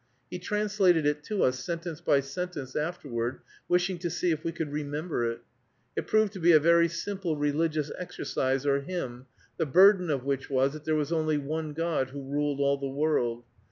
He translated it to us, sentence by sentence, afterward, wishing to see if we could remember it. It proved to be a very simple religious exercise or hymn, the burden of which was, that there was only one God who ruled all the world.